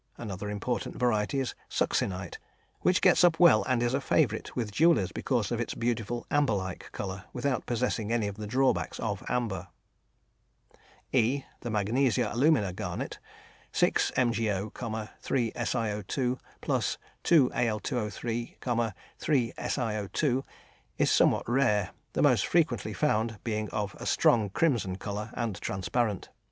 Another important variety is the "succinite," which gets up well and is a favourite with jewellers because of its beautiful, amber like colour, without possessing any of the drawbacks of amber. (E) The magnesia alumina garnet 6MgO,3SiO_ + 2Al_O_,3SiO_ is somewhat rare, the most frequently found being of a strong crimson colour and transparent.